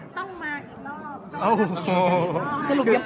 ต้องมากี่รอบ